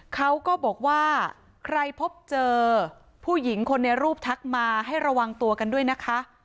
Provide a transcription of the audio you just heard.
เขาก็บอกว่าใครพบเจอผู้หญิงคนในรูปทักมาให้ระวังตัวกันด้วยนะคะ